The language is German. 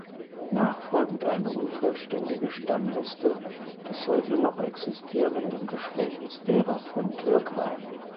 Nachfolgend eine unvollständige Stammliste des heute noch existierenden Geschlechts derer von Türkheim.